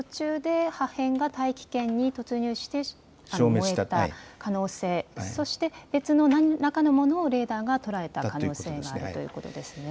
途中で破片が大気圏に突入して燃えた可能性、そして別の何らかのものをレーダーが捉えた可能性があるということですね。